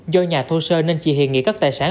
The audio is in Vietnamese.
do nhà thu sơ nên chị hiền nghĩ các tài sản